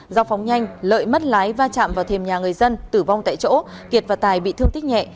do phóng nhanh lợi mất lái va chạm vào thềm nhà người dân tử vong tại chỗ kiệt và tài bị thương tích nhẹ